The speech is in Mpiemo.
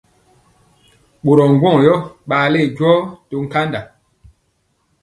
Ɓorɔ ŋgwɔŋ yɔ ɓale jɔɔ to nkanda.